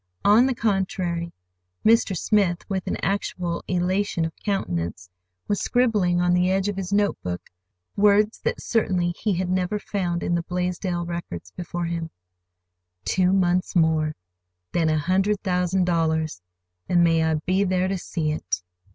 On the contrary, Mr. Smith, with an actual elation of countenance, was scribbling on the edge of his notebook words that certainly he had never found in the Blaisdell records before him: "Two months more, then—a hundred thousand dollars. And may I be there to see it!"